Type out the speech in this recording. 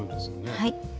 はい。